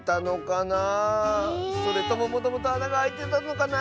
それとももともとあながあいてたのかな！